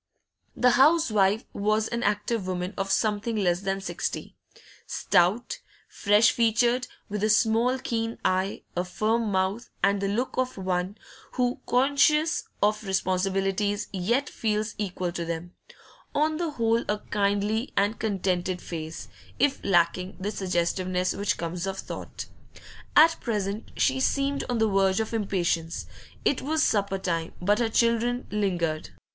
The housewife was an active woman of something less than sixty; stout, fresh featured, with a small keen eye, a firm mouth, and the look of one who, conscious of responsibilities, yet feels equal to them; on the whole a kindly and contented face, if lacking the suggestiveness which comes of thought. At present she seemed on the verge of impatience; it was supper time, but her children lingered.